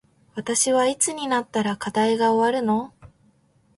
私はいつになったら課題が終わるの